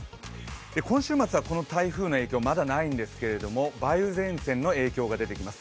今週末はこの台風の影響、まだないんですけれども梅雨前線の影響が出てきます。